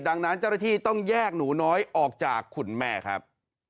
ดังนั้นเจ้าหน้าที่ต้องแยกหนูน้อยออกจากคุณแม่ครับ